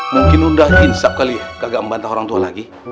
mungkin udah insap kali kagak membantah orang tua lagi